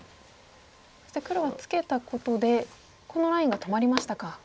そして黒はツケたことでこのラインが止まりましたか。